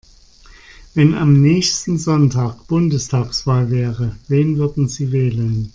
Wenn am nächsten Sonntag Bundestagswahl wäre, wen würden Sie wählen?